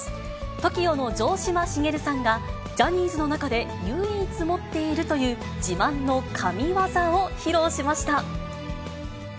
ＴＯＫＩＯの城島茂さんが、ジャニーズの中で唯一持っているという、自慢の神業を披露しました。